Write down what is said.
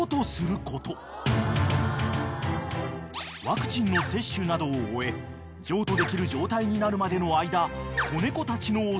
［ワクチンの接種などを終え譲渡できる状態になるまでの間子猫たちのお世話を行う］